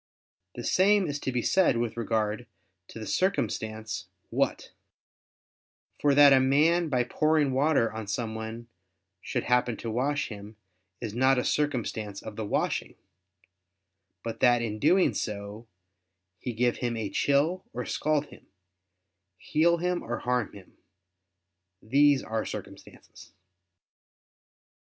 The same is to be said with regard to the circumstance "what"; for that a man by pouring water on someone should happen to wash him, is not a circumstance of the washing; but that in doing so he give him a chill, or scald him; heal him or harm him, these are circumstances.